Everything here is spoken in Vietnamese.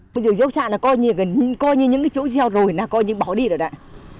bây giờ diễu trạng là coi như những chỗ gieo rồi là coi như bỏ đi rồi đấy